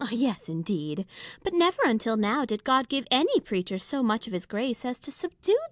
Yes, indeed ; but never until now did God give any preacher so much of his grace as to subdue this pest.